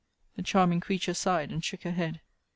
The charming creature sighed, and shook her head.